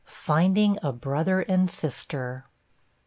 FINDING A BROTHER AND SISTER.